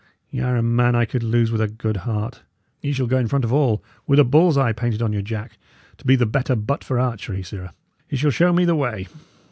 Y' are a man I could lose with a good heart; ye shall go in front of all, with a bull's eye painted on your jack, to be the better butt for archery; sirrah, ye shall show me the way."